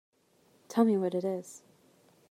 Tell me what it is.